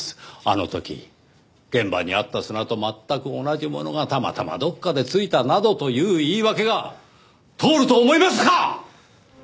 あの時現場にあった砂と全く同じものがたまたまどこかでついたなどという言い訳が通ると思いますか！？